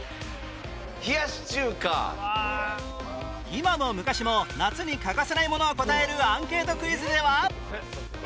今も昔も夏に欠かせないものを答えるアンケートクイズでは